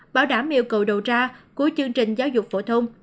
bảo đảm yêu cầu đầu ra của chương trình giáo dục phổ thông